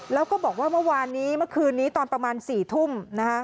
แล้วก็บอกว่าเมื่อวานนี้เมื่อคืนนี้ตอนประมาณ๔ทุ่ม